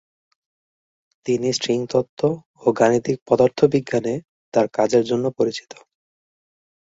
তিনি স্ট্রিং তত্ত্ব ও গাণিতিক পদার্থবিজ্ঞানে তার কাজের জন্য পরিচিত।